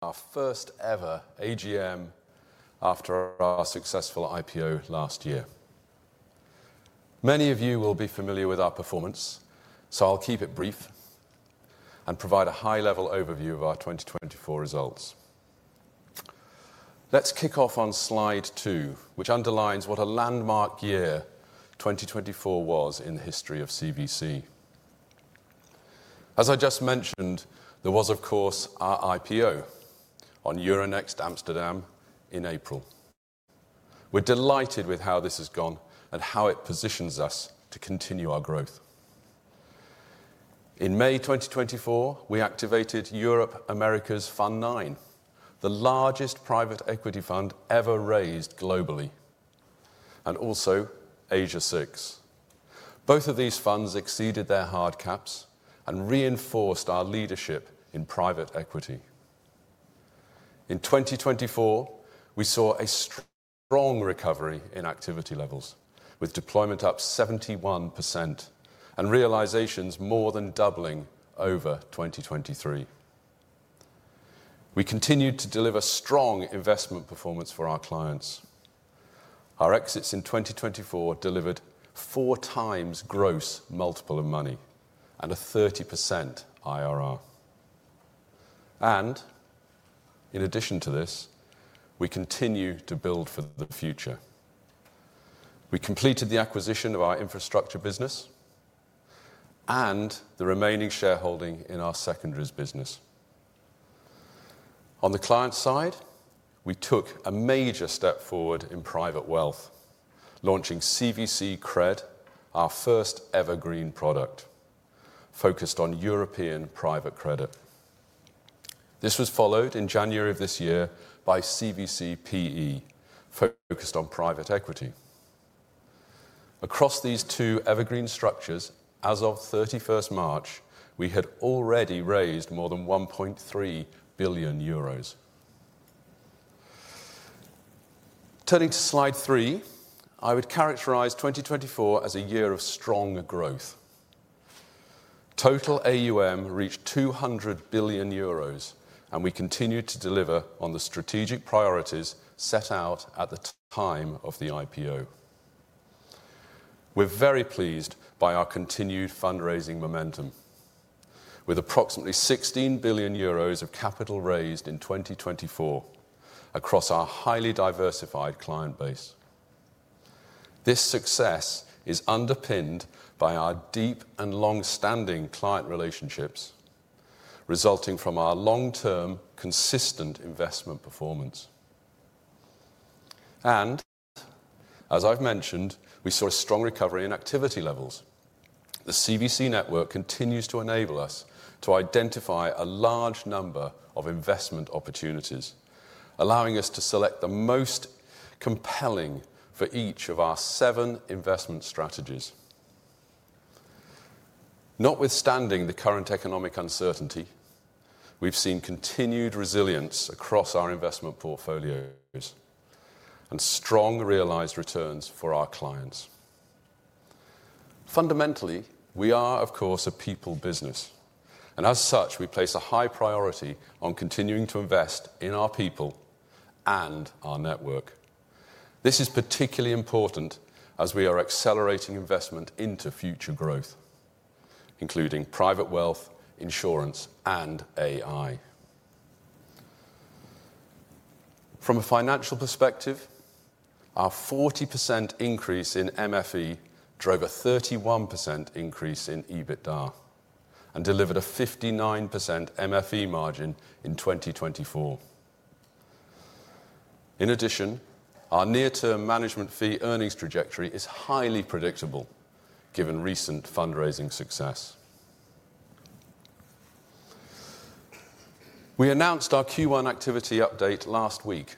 Our first-ever AGM after our successful IPO last year. Many of you will be familiar with our performance, so I'll keep it brief and provide a high-level overview of our 2024 results. Let's kick off on slide two, which underlines what a landmark year 2024 was in the history of CVC. As I just mentioned, there was, of course, our IPO on Euronext Amsterdam in April. We're delighted with how this has gone and how it positions us to continue our growth. In May 2024, we activated Europe America's Fund 9, the largest private equity fund ever raised globally, and also Asia 6. Both of these funds exceeded their hard caps and reinforced our leadership in private equity. In 2024, we saw a strong recovery in activity levels, with deployment up 71% and realizations more than doubling over 2023. We continued to deliver strong investment performance for our clients. Our exits in 2024 delivered four times gross multiple of money and a 30% IRR. In addition to this, we continue to build for the future. We completed the acquisition of our infrastructure business and the remaining shareholding in our secondary business. On the client side, we took a major step forward in private wealth, launching CVC Cred, our first evergreen product focused on European private credit. This was followed in January of this year by CVC PE, focused on private equity. Across these two evergreen structures, as of 31st March, we had already raised more than 1.3 billion euros. Turning to slide three, I would characterize 2024 as a year of strong growth. Total AUM reached 200 billion euros, and we continued to deliver on the strategic priorities set out at the time of the IPO. We're very pleased by our continued fundraising momentum, with approximately 16 billion euros of capital raised in 2024 across our highly diversified client base. This success is underpinned by our deep and long-standing client relationships, resulting from our long-term consistent investment performance. As I have mentioned, we saw a strong recovery in activity levels. The CVC network continues to enable us to identify a large number of investment opportunities, allowing us to select the most compelling for each of our seven investment strategies. Notwithstanding the current economic uncertainty, we've seen continued resilience across our investment portfolios and strong realized returns for our clients. Fundamentally, we are, of course, a people business, and as such, we place a high priority on continuing to invest in our people and our network. This is particularly important as we are accelerating investment into future growth, including private wealth, insurance, and AI. From a financial perspective, our 40% increase in MFE drove a 31% increase in EBITDA and delivered a 59% MFE margin in 2024. In addition, our near-term management fee earnings trajectory is highly predictable, given recent fundraising success. We announced our Q1 activity update last week,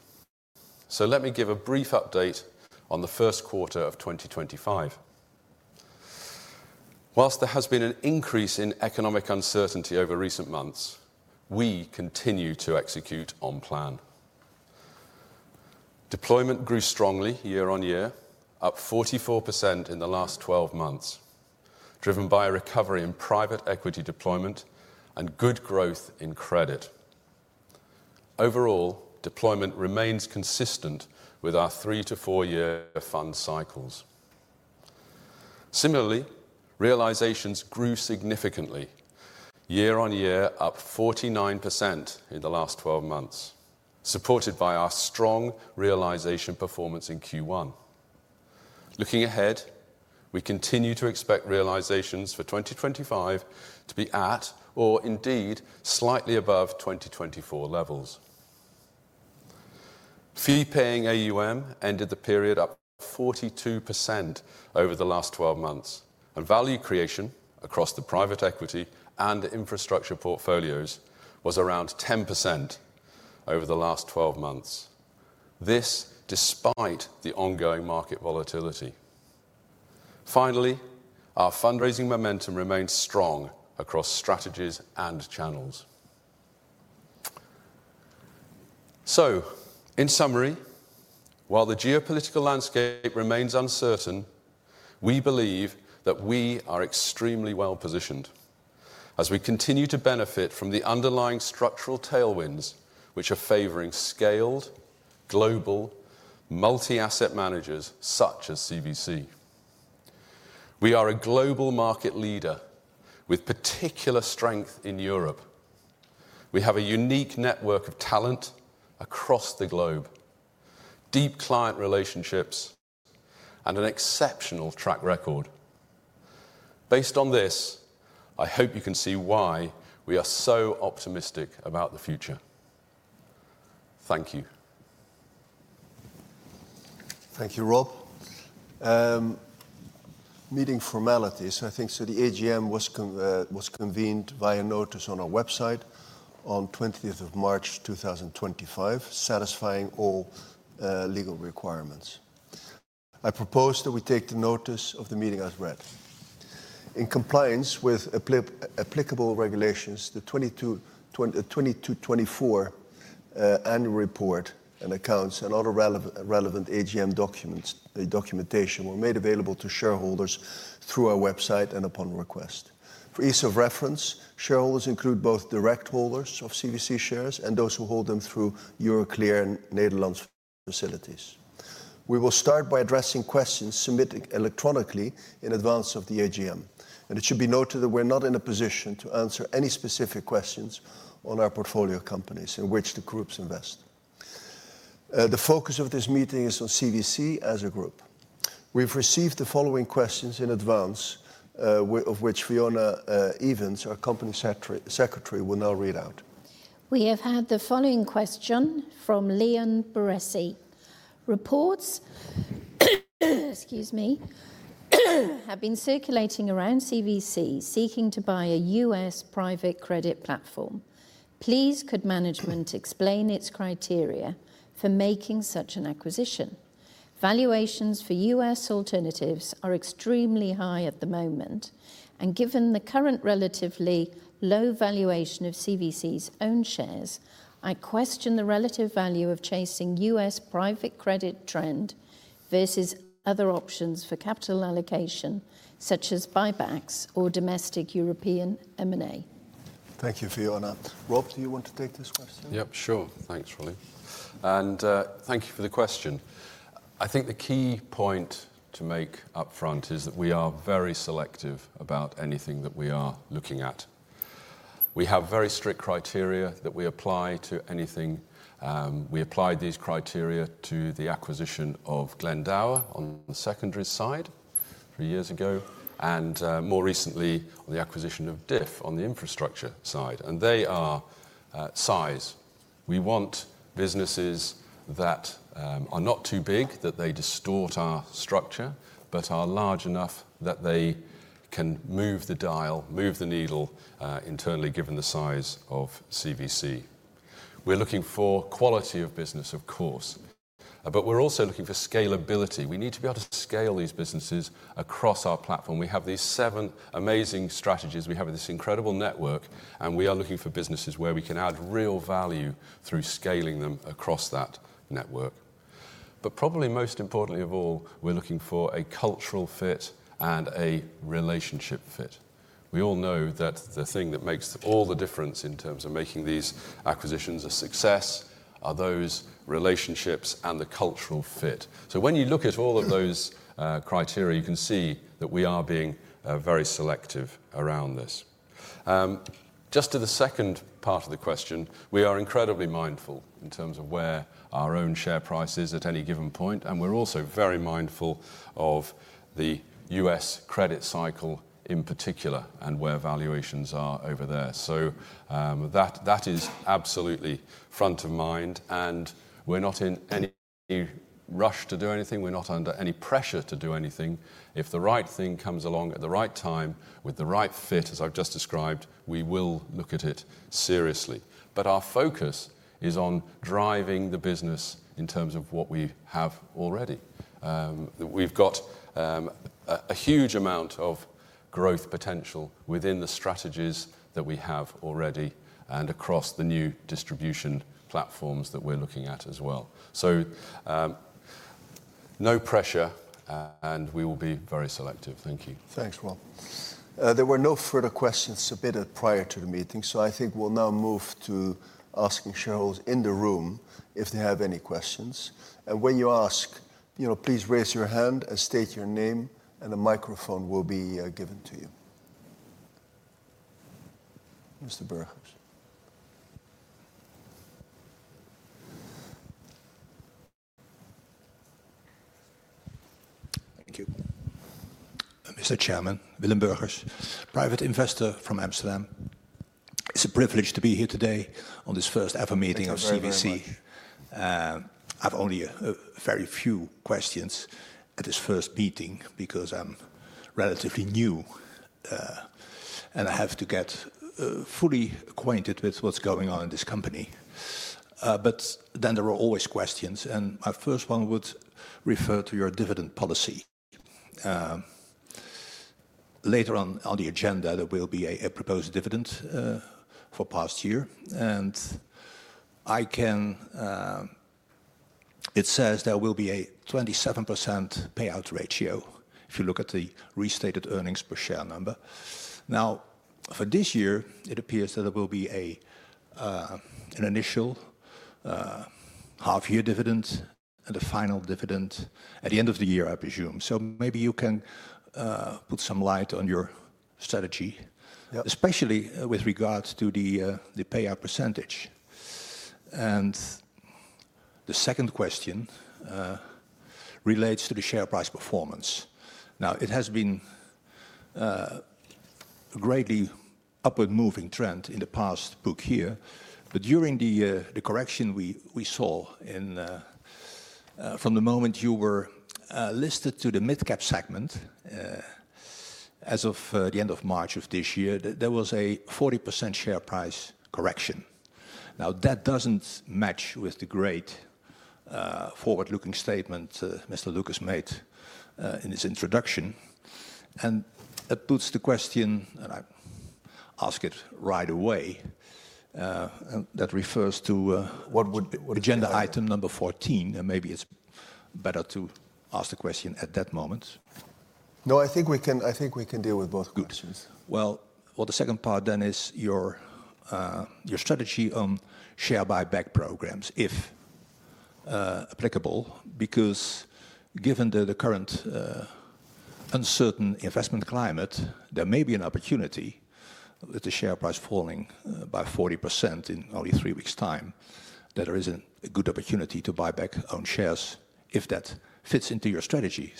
so let me give a brief update on the first quarter of 2025. Whilst there has been an increase in economic uncertainty over recent months, we continue to execute on plan. Deployment grew strongly year on year, up 44% in the last 12 months, driven by a recovery in private equity deployment and good growth in credit. Overall, deployment remains consistent with our three to four-year fund cycles. Similarly, realizations grew significantly year on year, up 49% in the last 12 months, supported by our strong realization performance in Q1. Looking ahead, we continue to expect realizations for 2025 to be at or indeed slightly above 2024 levels. Fee-paying AUM ended the period up 42% over the last 12 months, and value creation across the private equity and infrastructure portfolios was around 10% over the last 12 months, this despite the ongoing market volatility. Finally, our fundraising momentum remains strong across strategies and channels. In summary, while the geopolitical landscape remains uncertain, we believe that we are extremely well positioned as we continue to benefit from the underlying structural tailwinds which are favoring scaled global multi-asset managers such as CVC. We are a global market leader with particular strength in Europe. We have a unique network of talent across the globe, deep client relationships, and an exceptional track record. Based on this, I hope you can see why we are so optimistic about the future. Thank you. Thank you, Rob. Meeting formalities, I think the AGM was convened via notice on our website on 20th of March 2025, satisfying all legal requirements. I propose that we take the notice of the meeting as read. In compliance with applicable regulations, the 2024 annual report and accounts and all the relevant AGM documentation were made available to shareholders through our website and upon request. For ease of reference, shareholders include both direct holders of CVC shares and those who hold them through Euroclear and Netherlands facilities. We will start by addressing questions submitted electronically in advance of the AGM, and it should be noted that we're not in a position to answer any specific questions on our portfolio companies in which the group invests. The focus of this meeting is on CVC as a group. We've received the following questions in advance, of which Fiona Evans, our Company Secretary, will now read out. We have had the following question from Leon Baressi. Reports, excuse me, have been circulating around CVC seeking to buy a U.S. private credit platform. Please, could management explain its criteria for making such an acquisition? Valuations for U.S. alternatives are extremely high at the moment, and given the current relatively low valuation of CVC's own shares, I question the relative value of chasing U.S. private credit trend versus other options for capital allocation, such as buybacks or domestic European M&A. Thank you, Fiona. Rob, do you want to take this question? Yep, sure. Thanks, Rolly. And thank you for the question. I think the key point to make upfront is that we are very selective about anything that we are looking at. We have very strict criteria that we apply to anything. We applied these criteria to the acquisition of Glendower on the secondary side three years ago, and more recently on the acquisition of DIF on the infrastructure side. They are size. We want businesses that are not too big, that they distort our structure, but are large enough that they can move the dial, move the needle internally, given the size of CVC. We're looking for quality of business, of course, but we're also looking for scalability. We need to be able to scale these businesses across our platform. We have these seven amazing strategies. We have this incredible network, and we are looking for businesses where we can add real value through scaling them across that network. Probably most importantly of all, we're looking for a cultural fit and a relationship fit. We all know that the thing that makes all the difference in terms of making these acquisitions a success are those relationships and the cultural fit. When you look at all of those criteria, you can see that we are being very selective around this. Just to the second part of the question, we are incredibly mindful in terms of where our own share price is at any given point, and we're also very mindful of the U.S. credit cycle in particular and where valuations are over there. That is absolutely front of mind, and we're not in any rush to do anything. We're not under any pressure to do anything. If the right thing comes along at the right time with the right fit, as I've just described, we will look at it seriously. Our focus is on driving the business in terms of what we have already. We've got a huge amount of growth potential within the strategies that we have already and across the new distribution platforms that we're looking at as well. No pressure, and we will be very selective. Thank you. Thanks, Rob. There were no further questions submitted prior to the meeting, so I think we'll now move to asking shareholders in the room if they have any questions. When you ask, please raise your hand and state your name, and a microphone will be given to you. Mr. Burgers. Thank you. Mr. Chairman, Willem Burgers, private investor from Amsterdam. It's a privilege to be here today on this first ever meeting of CVC. I have only very few questions at this first meeting because I'm relatively new, and I have to get fully acquainted with what's going on in this company. But then there are always questions, and my first one would refer to your dividend policy. Later on the agenda, there will be a proposed dividend for past year, and I can it says there will be a 27% payout ratio if you look at the restated earnings per share number. Now, for this year, it appears that there will be an initial half-year dividend and a final dividend at the end of the year, I presume. So maybe you can put some light on your strategy, especially with regards to the payout percentage. The second question relates to the share price performance. It has been a greatly upward-moving trend in the past book year, but during the correction we saw from the moment you were listed to the mid-cap segment as of the end of March of this year, there was a 40% share price correction. That does not match with the great forward-looking statement Mr. Lucas made in his introduction, and that puts the question, and I ask it right away, that refers to what would agenda item number 14, and maybe it is better to ask the question at that moment. No, I think we can deal with both questions. The second part then is your strategy on share buyback programs, if applicable, because given the current uncertain investment climate, there may be an opportunity with the share price falling by 40% in only three weeks' time that there is a good opportunity to buy back own shares if that fits into your strategy.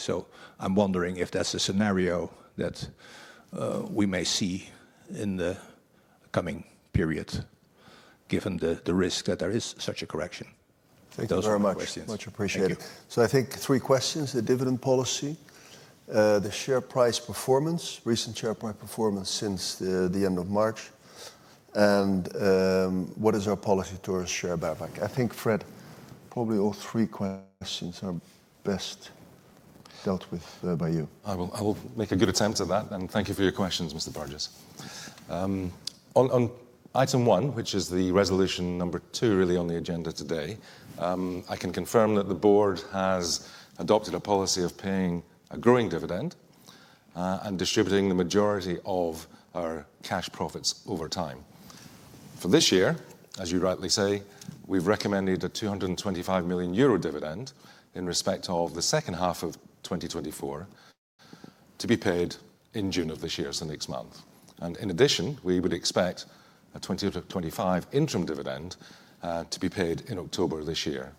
I'm wondering if that's a scenario that we may see in the coming period, given the risk that there is such a correction. Thank you very much. Much appreciated. I think three questions: the dividend policy, the share price performance, recent share price performance since the end of March, and what is our policy towards share buyback. I think, Fred, probably all three questions are best dealt with by you. I will make a good attempt at that, and thank you for your questions, Mr. Burgers. On item one, which is the resolution number two, really on the agenda today, I can confirm that the board has adopted a policy of paying a growing dividend and distributing the majority of our cash profits over time. For this year, as you rightly say, we have recommended a 225 million euro dividend in respect of the second half of 2024 to be paid in June of this year, so next month. In addition, we would expect a 2025 interim dividend to be paid in October of this year.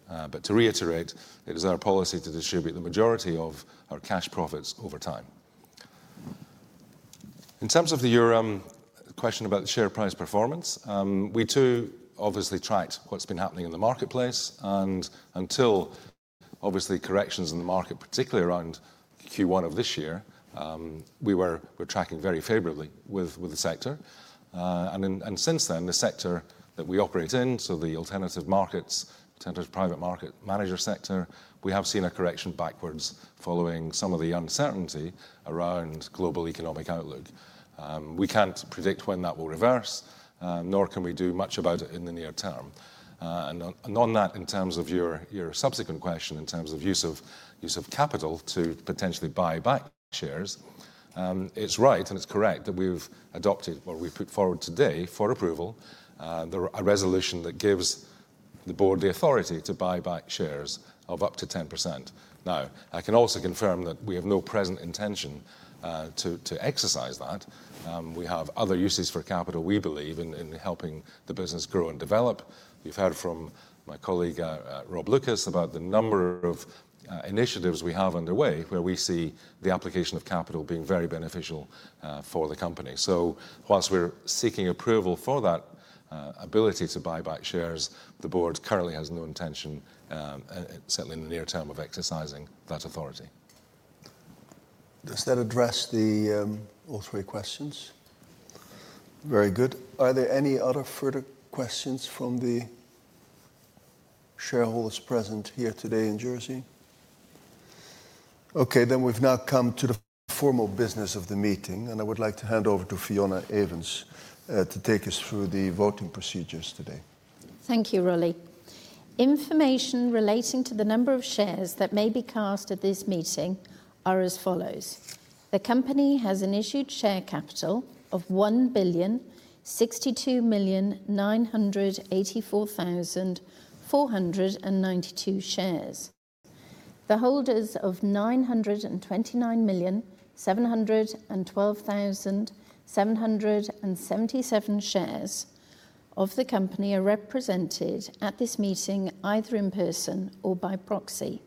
To reiterate, it is our policy to distribute the majority of our cash profits over time. In terms of your question about the share price performance, we too obviously tracked what's been happening in the marketplace, and until obviously corrections in the market, particularly around Q1 of this year, we were tracking very favorably with the sector. Since then, the sector that we operate in, so the alternative markets, alternative private market manager sector, we have seen a correction backwards following some of the uncertainty around global economic outlook. We can't predict when that will reverse, nor can we do much about it in the near term. On that, in terms of your subsequent question, in terms of use of capital to potentially buy back shares, it's right and it's correct that we've adopted what we've put forward today for approval, a resolution that gives the board the authority to buy back shares of up to 10%. Now, I can also confirm that we have no present intention to exercise that. We have other uses for capital, we believe, in helping the business grow and develop. You've heard from my colleague, Rob Lucas, about the number of initiatives we have underway where we see the application of capital being very beneficial for the company. Whilst we're seeking approval for that ability to buy back shares, the board currently has no intention, certainly in the near term, of exercising that authority. Does that address all three questions? Very good. Are there any other further questions from the shareholders present here today in Jersey? Okay, then we have now come to the formal business of the meeting, and I would like to hand over to Fiona Evans to take us through the voting procedures today. Thank you, Rolly. Information relating to the number of shares that may be cast at this meeting are as follows. The company has an issued share capital of 1,062,984,492 shares. The holders of 929,712,777 shares of the company are represented at this meeting either in person or by proxy.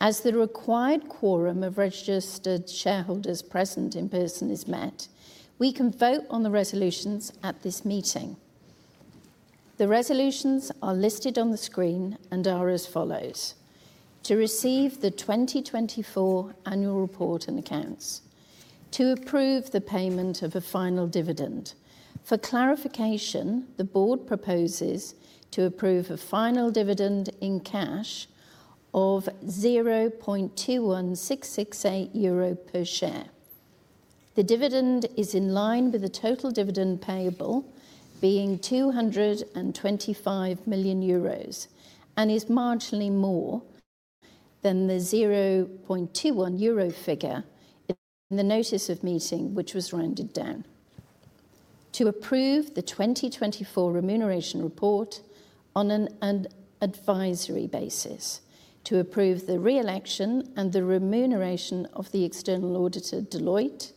As the required quorum of registered shareholders present in person is met, we can vote on the resolutions at this meeting. The resolutions are listed on the screen and are as follows. To receive the 2024 annual report and accounts. To approve the payment of a final dividend. For clarification, the board proposes to approve a final dividend in cash of 0.21668 euro per share. The dividend is in line with the total dividend payable being 225 million euros and is marginally more than the 0.21 euro figure in the notice of meeting which was rounded down. To approve the 2024 remuneration report on an advisory basis, to approve the reelection and the remuneration of the external auditor, Deloitte,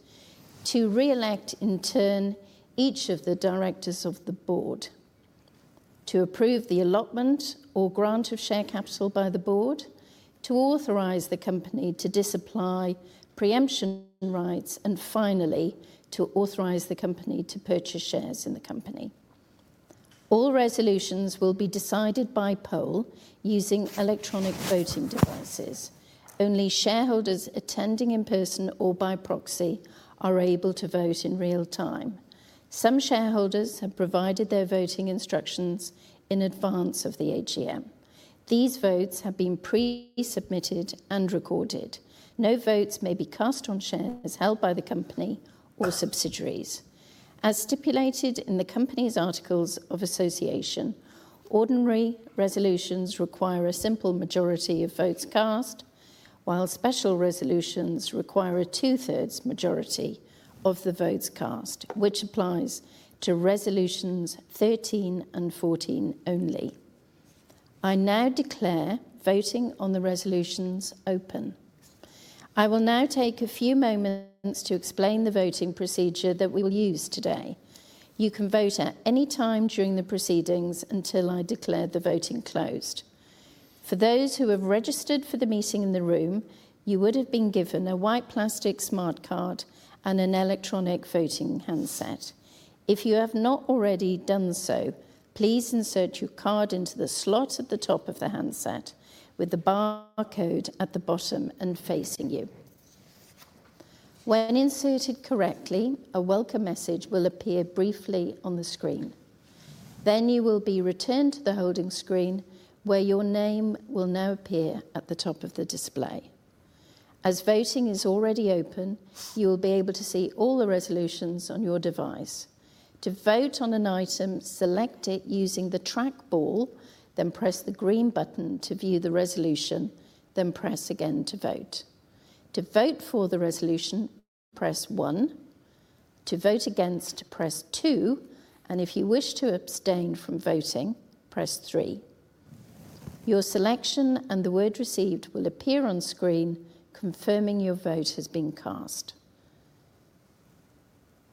to reelect in turn each of the directors of the board, to approve the allotment or grant of share capital by the board, to authorize the company to disapply preemption rights, and finally, to authorize the company to purchase shares in the company. All resolutions will be decided by poll using electronic voting devices. Only shareholders attending in person or by proxy are able to vote in real time. Some shareholders have provided their voting instructions in advance of the AGM. These votes have been pre-submitted and recorded. No votes may be cast on shares held by the company or subsidiaries. As stipulated in the company's articles of association, ordinary resolutions require a simple majority of votes cast, while special resolutions require a two-thirds majority of the votes cast, which applies to resolutions 13 and 14 only. I now declare voting on the resolutions open. I will now take a few moments to explain the voting procedure that we will use today. You can vote at any time during the proceedings until I declare the voting closed. For those who have registered for the meeting in the room, you would have been given a white plastic smart card and an electronic voting handset. If you have not already done so, please insert your card into the slot at the top of the handset with the barcode at the bottom and facing you. When inserted correctly, a welcome message will appear briefly on the screen. You will be returned to the holding screen where your name will now appear at the top of the display. As voting is already open, you will be able to see all the resolutions on your device. To vote on an item, select it using the track ball, then press the green button to view the resolution, then press again to vote. To vote for the resolution, press one. To vote against, press two, and if you wish to abstain from voting, press three. Your selection and the word received will appear on screen, confirming your vote has been cast.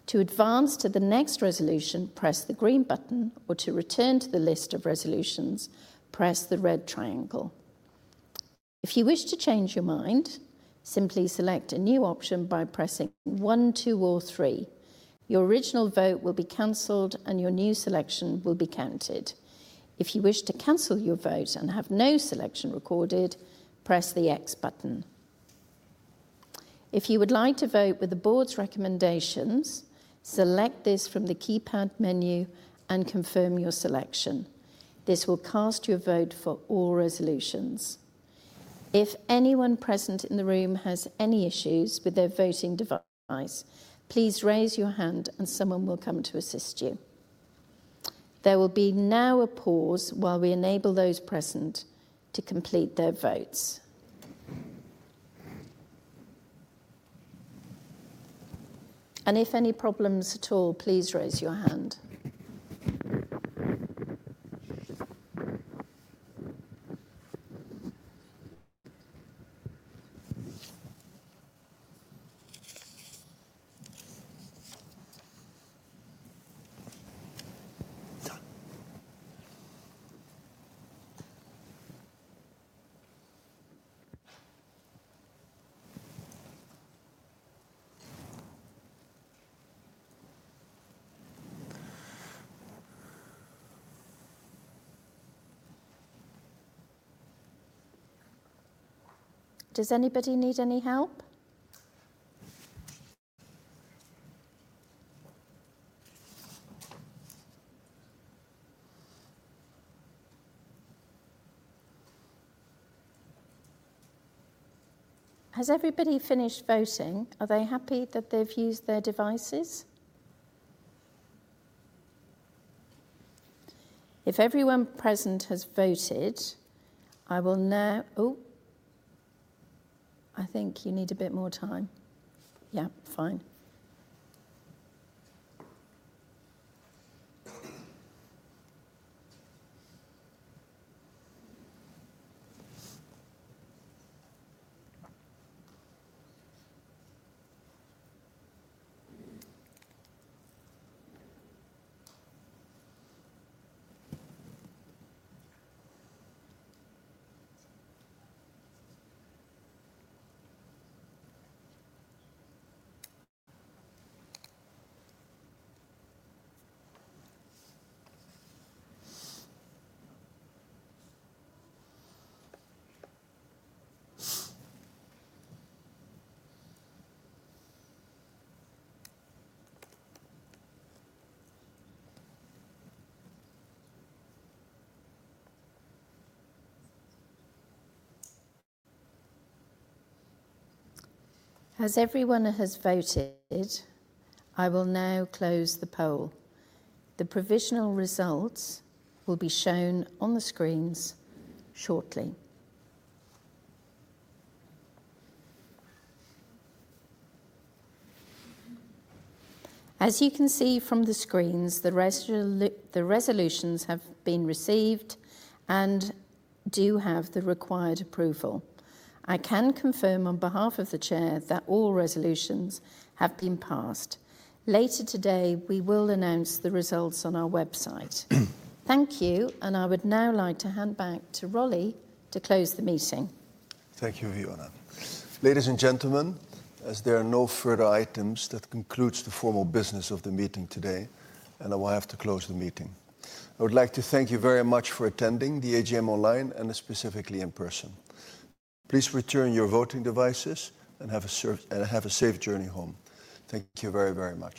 To advance to the next resolution, press the green button, or to return to the list of resolutions, press the red triangle. If you wish to change your mind, simply select a new option by pressing one, two, or three. Your original vote will be canceled and your new selection will be counted. If you wish to cancel your vote and have no selection recorded, press the X button. If you would like to vote with the board's recommendations, select this from the keypad menu and confirm your selection. This will cast your vote for all resolutions. If anyone present in the room has any issues with their voting device, please raise your hand and someone will come to assist you. There will now be a pause while we enable those present to complete their votes. If any problems at all, please raise your hand. Does anybody need any help? Has everybody finished voting? Are they happy that they've used their devices? If everyone present has voted, I will now—oh, I think you need a bit more time. Yeah, fine. As everyone has voted, I will now close the poll. The provisional results will be shown on the screens shortly. As you can see from the screens, the resolutions have been received and do have the required approval. I can confirm on behalf of the Chair that all resolutions have been passed. Later today, we will announce the results on our website. Thank you, and I would now like to hand back to Rolly to close the meeting. Thank you, Fiona. Ladies and gentlemen, as there are no further items, that concludes the formal business of the meeting today, and I will have to close the meeting. I would like to thank you very much for attending the AGM online and specifically in person. Please return your voting devices and have a safe journey home. Thank you very, very much.